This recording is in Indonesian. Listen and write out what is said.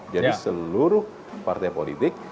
jadi seluruh partai politik